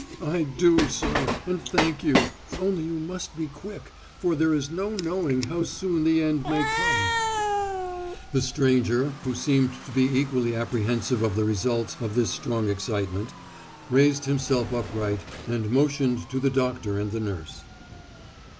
"I do, sir, and thank you; only you must be quick, for there is no knowing how soon the end may come." The stranger, who seemed to be equally apprehensive of the results of this strong excitement, raised himself upright and motioned to the doctor and the nurse.